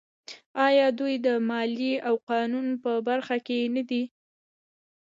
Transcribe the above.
آیا دوی د مالیې او قانون په برخه کې نه دي؟